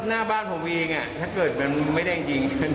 หน้าบ้านผมเองถ้าเกิดมันไม่ได้จริง